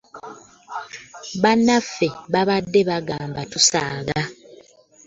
Bannaffe babadde bagamba tusaaga.